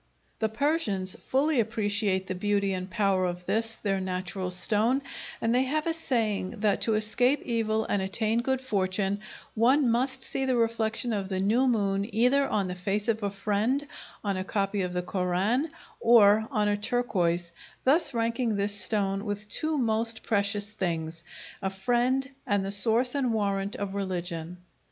The Persians fully appreciate the beauty and power of this, their national stone, and they have a saying that to escape evil and attain good fortune one must see the reflection of the new moon either on the face of a friend, on a copy of the Koran, or on a turquoise, thus ranking this stone with two most precious things, a friend and the source and warrant of religion.